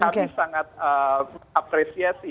kami sangat mengapresiasi